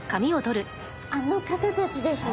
あの方たちですね。